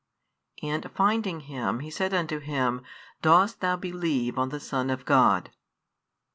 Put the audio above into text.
And finding him, He said unto him, Dost thou believe on the Son of God?